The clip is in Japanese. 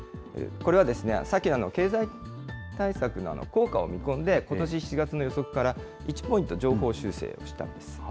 これは、先の経済対策の効果を見込んで、ことし７月の予測から１ポイント上方修正したんです。